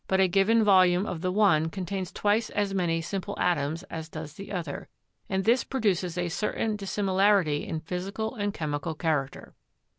a given volume of the one contains twice as many simple atoms as does the other, and this produces a certain dissimi larity in physical and chemical character.